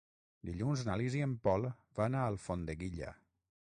Dilluns na Lis i en Pol van a Alfondeguilla.